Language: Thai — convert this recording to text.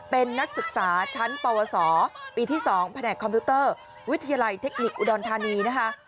เป็นนักศึกษาชั้นปวสปีที่๒แผนกคอมพิวเตอร์วิทยาลัยเทคนิคอุดรธานีนะคะ